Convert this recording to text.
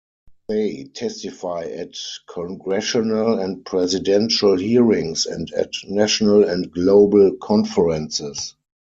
They testify at Congressional and Presidential hearings and at national and global conferences.